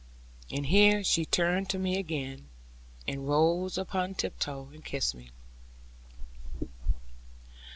And here she turned to me again, and rose upon tiptoe, and kissed me.